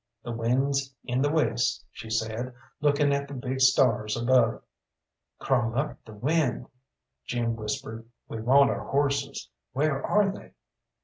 "The wind's in the west," she said, looking at the big stars above. "Crawl up the wind," Jim whispered. "We want our horses; where are they?"